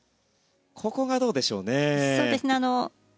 ここがどうでしょうね。